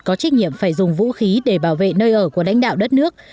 có trách nhiệm phải dùng vũ khí để bảo vệ nơi ở của đánh đạo đất nước